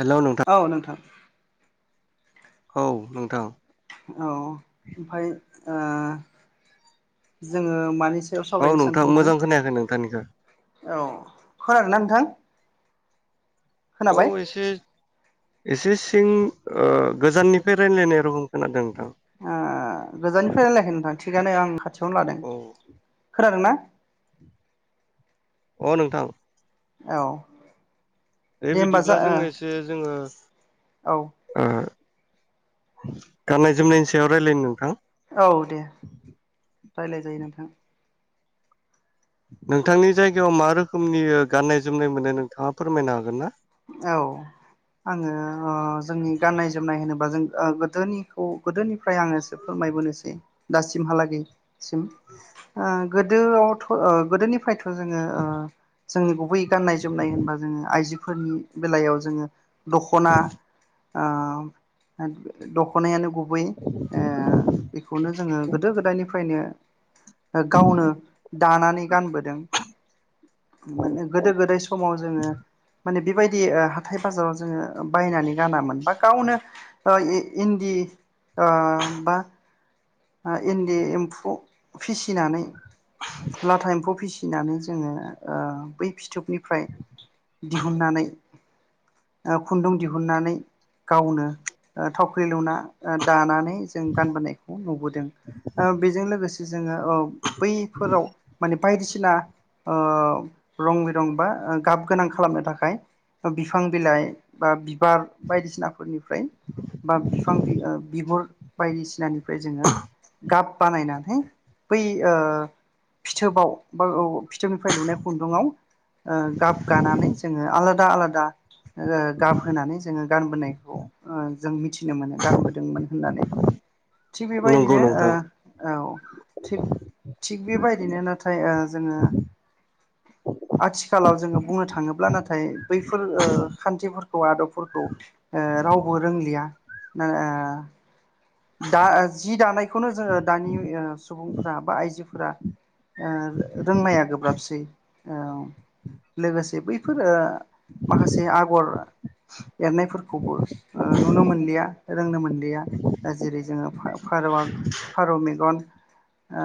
Hello नोंथां औ नोंथां औ नोंथां औ ओमफ्राय ओ जोङो मानि सायाव औ सावरायनो सानखो नोंथां मोजां खोनायाखै नोंथांनिखो खोनादों ना नोंथां औ खोनाबाय एसे एसे सिं गोजाननिफ्राय रायजलायनाय रखम खोनादों नोंथां ओ गोजाननिफ्राय रायलायखगोन नोंथां थिगआनो आं खा खाथियावनो लादों औ खोनादोंना अ नोंथां औ बे दे होमबा जा बिदिब्ला जोङो ओ एसे जोङो ओ गाननाय जोमनायनि सायाव रायज्लायनो नोंथां औ दे राय्लाय जायो नोंथाङा नोंथांनि जायगायाव मा रोखोमनि गाननाय जोमनाय मोनो नोंथाङा फोरमायनो हागोन ना? औ आङो ओ- जोंनि गाननाय जोमनाय होनोबा जों। ओ-गोदोनिखौ गोदोनिफ्राय आङोसो फोरमायबोनोसै दासिमहालागैसिम जों ओ-गोदोआवथ' ओ-गोदोनिफ्राय। थ जोङो ओ- जोंनि गुबै गाननाय जोमनाय होनबा जोङो आइजो। फोरनि बेलायाव जोङो। दख'ना। ओ-दख'नायानो गुब बै ओ- बेखौनो जोङो गोदो गोदायनि फ्रायनो गावनो जानानै गानबो दों माने गोदो गोदाय समाव जोङो। माने बेबायदि ओ-हाथाय बाजाराव जोङो। बायनानै गानामोन बा गावनो। ओ-इ-इन्दि ओ-बा। आ-इन्दि एम्फौ फिसिनानै। लाथा एम्फौ फिसि फिसिनानै जोङो ओ-बै फिथोब। निफ्राय दिहुननानै। ओ-खुन्दुं दिहुननानै गावनो ओ-थावख्रि लुना। ओ-दानानै जों गानबोनाय। नुबोदों ओ-बेजों लोग [unintelligible] जोङो औ बैफोराव माने। बायदिसिना ओ- रं बिरं बा गाब गोनां खालामनो थाखाय बिफां बिलाइ बा बिबार बायदिसिनाफोरनिफ्राय बा बिफां बि ओ- बिहुर बायदिसि फ्राय जोङो गाब बानायनानै। है बै ओ-फिथोबाव बो औ। फिथोबनिफ्राय लुनाय खुन्दुंआव ओ- गाब गानानै जोङो आलाद दा आलादा। ओ- गाबहोनानै जोङो। गानबोनायखौ ओ-जों मिथि फिनो मोनो गानबोदोंमोन होननानै । थिग नंगौ बेबायदिनो नोंथां ओ-औ थिग थिग बेबायदिनो नाथाय ओ- जोङो आथिखालाव जोङो। बुंनो थाङोब्ला नाथाय थाय बैफोर ओ खान्थिफोर आदबफोरखौ ओ रावबो रोंलिया ओ दा ओ जि दानाय खौनो जोङो दानि ओ सुबुंफोरा बा आइजोफोरा ओ रोंनाया गोब्राबसै ओ लोगोसे बैफोर ओ माखासे आगर एरनायफोरखौबो ओ नुनो मोनलिया रोंनो मोनलिया। ओ जेरै जोङो फा-फारौ फारौ मेगन ओ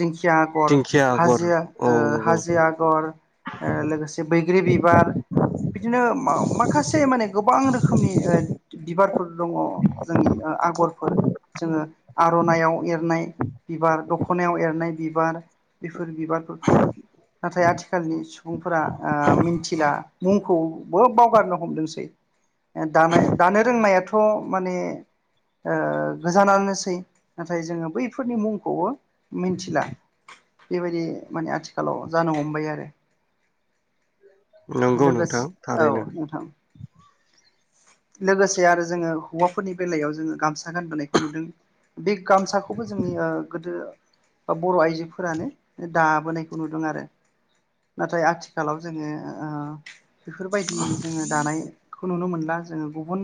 दिंखिया आगर दिंखिया आगर हाजो औ ओ नंगौ हाजो आगर ओ लोगोसे बैग्रि बिबार बिदिनो मा-माखासे माने गोबां रोखोमनि ओ बिबारफोर दङ जोंनि आग' फोर जोङो आर'नाइाव एरनाय बिबार दख'नायाव एरनाय बिबार बेफो बेफोर बिबारफोरखौ नाथाय आथिखालनि सुबुंफोरा ओ मिन्थिला मुंखौ बो बावगारनो हमदोंसै दानाय दानो रोंनायाथ' माने ओ गोजानानोसै नाथाय जोङो बैफोरनि मुंखौबो मिनथिला बेबायदि माने आथिखालाव जानो हमबाय आरो नंगौ लोगोसे नोंथां औ थारैनो। नोंथां लोगोसे आरो जोङो हौवाफोरनि बेलायाव जोङो गाम सा गानबोनायखौ नुदों बे गामसाखौबो जोंनि ओ गोदो बर' आइजोफोरानो दाबोनायखौ नुदों आरो नाथाय आथिखालाव जोङो ओ बेफोरबायदि जोङो दानाय खौ नुनो मोन ना जोङो गुबन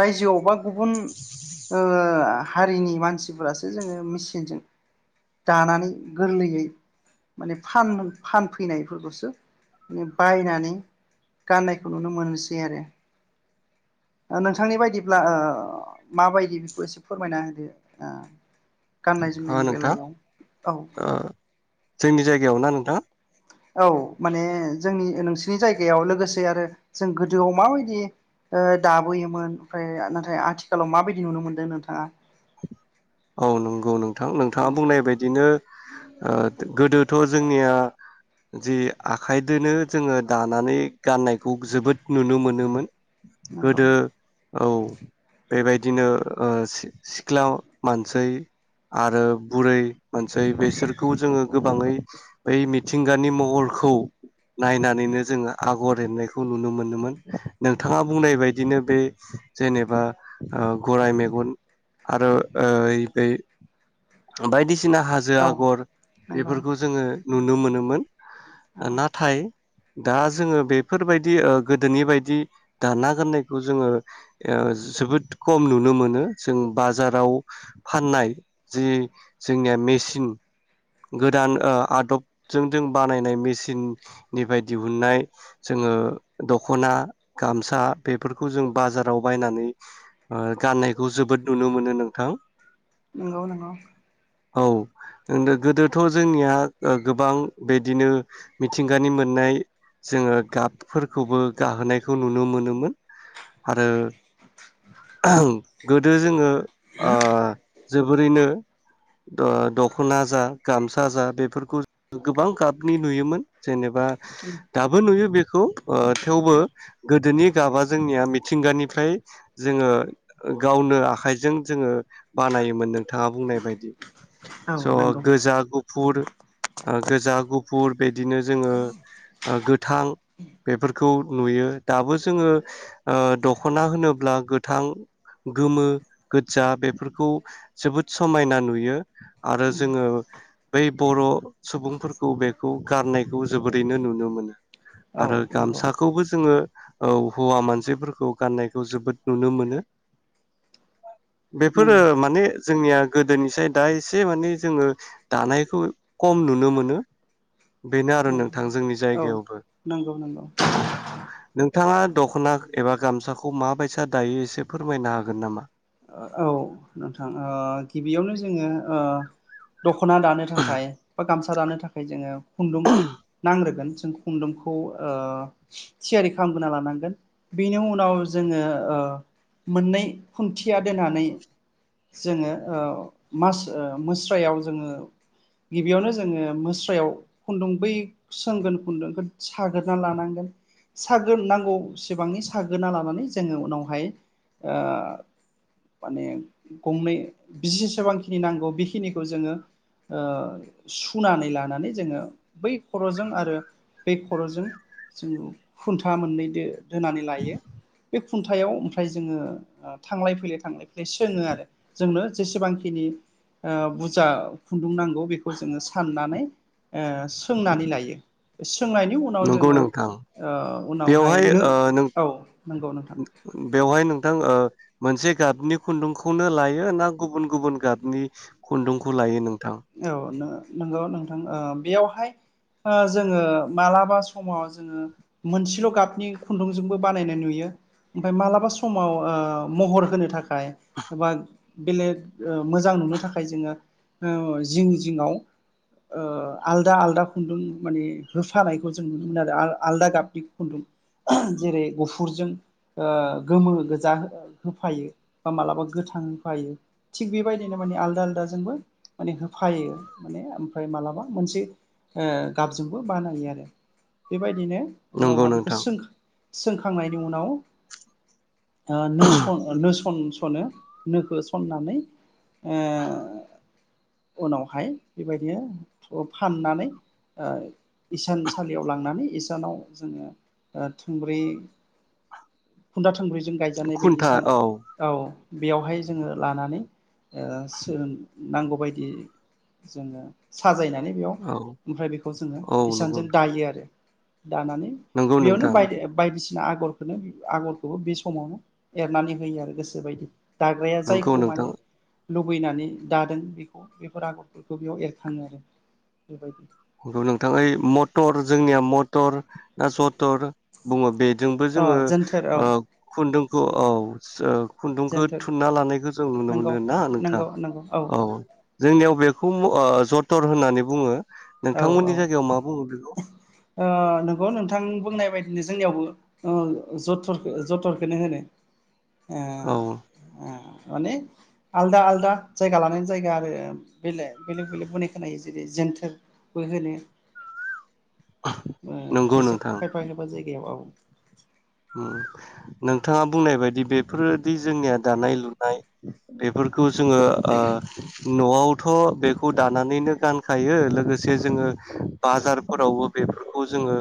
रायजोआवबा ओ आ हारिनि मानसिफोरासो जोङो मेचिनजों दानानै गोरलैयै माने फाननो फानफैनायफोरखौसो बायनानै गाननायखौ नुनो मोनोसै आरो ओ नोंथांनि बायदिब्ला ओ माबायदि एसे फोरमायना होदो ओ । अ नोंथां ओ जोंनि जायगायाव ना नोंथां? औ माने जोंनि नोंसिनि जायगायाव लोगोसे आरो जों गोदोआव माबायदि दाबोयोमोन ओमफ्राय नाथाय आथिखालाव माबायदि नुनो मोनदों नोंथाङा? औ नंगौ । औ नोंथां नोंथाङा औ बुंनाय बायदिनो ओ गोदोथ' जोंनिया जि आखाइदोनो जोङो दानानै गाननायखौ जोबोद नुनो मोनोमोन नंगौ गोदो । औ बेबायदिनो ओ सिख्ला मानसै आरो बुरै मानसै बेसोरखौ जोङो गोबाङै बै मिथिंगानि महरखौ नायनानैनो जोङो आगर एरनायखौ नुनो मोनोमोन नोंथाङा बुंनाय बदिनो बे जेनेबा गराइ मेगन आरो ओ बायदिसिना हाजो औ आगर नंगौ बेफोरखौ जोङो नुनो मोनोमोन औ नाथाय दा जोङो बेफोरबायदि ओ गोदोनि बायदि दाना गाननायखौ जोङो ओ जोबोद खम नुनो मोनो जों बाजाराव फाननाय जि जोंनिया मेसिन गोदान ओ आदबजों जों बानायनाय मेसिननि बाय दिहुननाय जोङो दख'ना, गामसा बेफोरखौ जों बाजाराव बायनानै ओ गाननायखौ जोबोद नुनो मोनो नोंथां नंगौ-नंगौ औ गोदोथ' जोंनिया गोबां बिदिनो मिथिंगानि मोननाय जोङो गाबफोरखौबो गाहोनायखौ नुनो मोनोमोन आरो गोदो जोङो आ जोबोरैनो आ दख'ना जा गामसा जा बेफोरखौ गोबां गाबनि नुयोमोन जेने बा दाबो नुयो बे खौ ओ थेवबो गोदोनि गाबा जोंनिया मिथिंगानिफ्राय जोङो गावनो आखाइजों जोङो बानायोमोन नोंथाङा बुंनाय बायदि औ स' नंगौ गोजा गुफुर गोजा, गुफुर बे बिदिनो जोङो ओ गो गोथां बेफोरखौ नुयो दाबो जोङो दख'ना होनोब्ला गोथां, गोमो गोदजा बेफोरखौ जोबोद समायना नुयो आरो जोङो बै बर' सुबुंफोरखौ बेखौ गाननायखौ जोबोरैनो नुनो मोनो आरो औ नंगौ गामसाखौबो जोङो औ हौवा मानसिफोरखौ गाननायखौ जोबोद नुनो मोनो बेफोरो नंगौ नंगौ माने जोंनिया गोदोनिसाय दा एसे माने जोङो दानायखौ खम नुनो मोनो बेनो आरो नोंथां जोंनि जायगायाव नंगौ-नंगौ नोंथाङा दख'ना एबा गामसाखौ माबायसा दायो एसे फोरमायनो हागोन नामा औ नोंथां ओ गिबियावनो जोङो ओ दखना दानो थाखाय बा गामसा दानो थाखाय जोङो खुन्दुं नांग्रोगोन। खुन्दुंखौ ओ थियारि खालामगोना लानांगोन बेनि उनाव जोङो ओ मोननै खुन्थि। खिथिया दोनानै जोङो मास मुस्रायाव जोङो ओ गिबियावनो जोङो ओ मुस्रायाव खुन्दुं बै सोंगोन खुन्दुंखौ। सागोरना लानांगोन। सागोन नांगौ सिबांनि सागोना लानानै जोङो उनावहाय ओ। माने गंनै जसेसेबांखिनि नांगौ बेखिनिखौ जोङो ओ सुनानै लानानै जोङो बै ओ खरजों आरो बै खरजों जोंङ खुन्था मोननैदो। दोनानै लायो। बे खुन्थायाव ओमफ्राय जोङो। थांलाय- फैलाय, थांलाय-फैलाय सोंङो आरो जोंनो जेसेबांखिनि ओ बुरजा खुन्दुं नांगौ बेखौ जोङो साननानै ओ सोंनानै लायो। सोंनायनि उनाव नंगौ जोङो नोंथां उनावहाय बेवहाय नो ओ नों औ नंगौ नोंथां। बेवहाय नोंथां ओ मोनसे गाबनि खुन्दुंखौनो लायो ना गुबुन गुबुन गाबनि खुन्दुंखौ लायो नों? औ नो नोंगौ नोंथां ओ बेयावहाय ओ जोङो मालाबा समाव जोङो मोनसेल' गाबनि खुन्दुंजोंबो बानायनाय नुयो ओमफाय मालाबा समाव ओ महर होनो थाखा खाय एबा बेलेग ओ मोजां नुनो थाखाय जोङो ओ जिं जिङआव ओ आलदा आलदा खुन्दुं माने होफानायखौ जों नुनो मोनो आरो आलदा गाबनि खुन्दुं जेरै गुफुरजों ओ गोमो गोजा होफायो बा मालाबा गोथां होफायो थिग बेबायदिनो माने आलदा आलदाजोंबो माने हो फायो माने ओम फाय मालाबा मोनसे ओ गाबजोंबो बानायो आरो बेबायद बिनो नंगौ उनावहा बेखौ नोंथां सोंख सोंखांनायनि उनाव ओ नोस नोसन थनो नोखो सननानै ओ उनावहाय बेबायदिनो फाननानै ओ इसानसालियाव लांनानै इसानाव जोङो ओ थुंब्रै खुन्दा थोंब्रैजों गायजानाय बे खुन्था इसान औ औ। बेयावहाय जोङो लानानै ओ सोन नांगौबायदि जोङो साजायना [unintelligible] [unintelligible] बेयाव औ ओमफ्राय बेखौ जोङो औ नंगौ इसानजों दायो आरो। दानानै नंगौ बेयावनो नोंथां बाय बायदिसि [unintelligible] ना आगरखौनो आगरखौबो बे समावनो एरनानै होयो आरो गोसोबायदि। दाग्राया नंगौ जायखौ नोंथां माने लुबैनानै दादों बेखौ बेफोर आगरफोरखौ बेयाव एरखाङो आरो बेबायदि। [unintelligible] नोंथां ओइ मटर जोंनिया मट थर ना जथर बुङो बेजोंबो अ जोङो जोनथोर औ ओ खुन्दुं खौ औ सो [unintelligible] खुन्दुंखौ जोनथोर थुनना लानायखौ जों नुनो नंगौ मोनो ना नोंथां नंगौ नंगौ औ। जोंनियाव बेखौ म ओ जथर होननानै बुङो। औ औ नोंथांमोननि जायगायाव मा बुङो बेखौ ओ नंगौ नोंथां बुंनाय बायद [unintelligible] जोंनियावबो ओ जथर जथरखोनो होनो। ओ औ ओ माने आलदा आलदा जायगा लानानै जायगा आरो बेले बेलेग बेलेग बुनाय खोनायो जेरै जोन्थोर बो होनो नंगौ खायसे नोंथां खायफा खायफा जायगायाव औ नोंथाङा बुंनाय बायदि बेफोरदि जोंनिया दानाय लुनाय बेफोर खौ जोङो न'आव थ' बेखौ दानानैनो गानखायो लोगोसे जोङो बाजारफोरावबो बेफोरखौ जोङो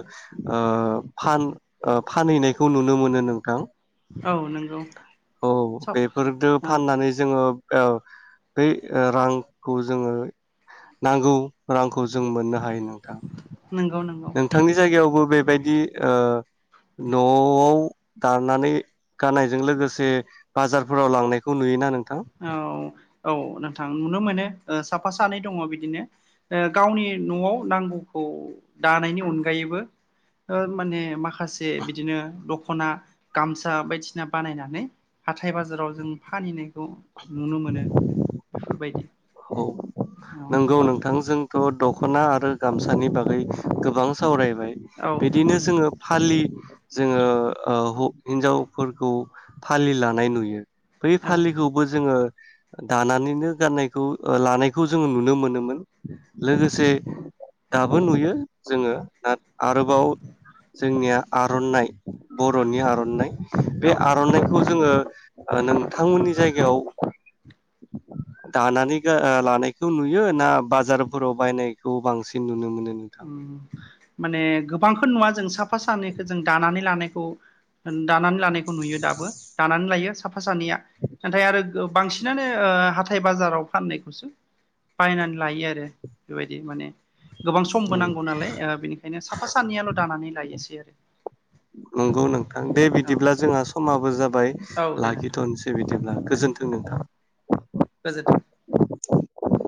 फानहैनाय खौ नुनो मोनो नोंथां औ नंगौ औ सब बेफोरजों औ फाननानै जोङो औ बै रांखौ जोङो नांगौ रांखौ जों मोननो हायो नोंथां नंगौ नंगौ नोंथांनि जायगायावबो बेबायदि न'आव दानानै गाननायजों लोगोसे बाजारफोराव लांनायखौ नुयोना नों औ औ नोंथां नुनो मोनो साफा सानै दङ बिदिनो गावनि न'आव नांगौखौ दानायनि अनगायैबो माने माखासे माखासे बिदिनो द खना गामसा बायदिसिना बानायनानै हाथाय बाजाराव जों फाननायखौ नुनो मोनो बेफोरबायदि औ औ नंगौ नोंथां जोंथ' द दख'ना आरो गामसानि बागै गोबां सावरायबाय औ नंगौ बिदिनो जोङो नोंथां फालि जोङो हिनजावफोरखौ फालि लानाय नुयो बै औ फालिखौबो जोङो दानानैनो गाननाय खौ लानायखौ जोङो नुनो मोनोमोन लोगोसे दाबो नुयो जोङो आरोबाव जोंनिया आर'नाइ बर'नि आर'नाइ बे औ आर'नाइखौ जोङो नोंथांमोननि जायगायाव दानानै लानायखौ नुयो ना बाजारफोराव बायनायखौ बांसिन नुनो मोनो नोंथां? ओम माने गोब बांखौनो नुवा जों साब साफा सानैखौ जों दानानै लानाय खौ होन दानानै लानायखौ नुयो दाबो दानानै लायो साफा सानैया नाथाय आरो बांसिनानो ओ हाथाय बाजाराव फाननायखौसो बायनानै लायो आरो बेबायदि माने गोबां समबो उम नांगौ नालाय ओ बेनिखायनो साफा सानैयाल दानानै लायोसै आरो औ [unintelligible] बाय औ दे नोंथां लाखिथनसै बिदि ब्ला दे गोजोन्थों नोंथां। गोजोन्थों लांदां